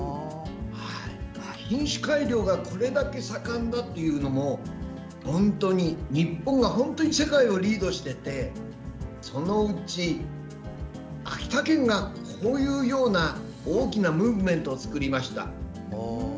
品種改良がこれだけ盛んだというのも本当に日本が世界をリードしていてそのうち秋田県がこういうような大きなムーブメントを作りました。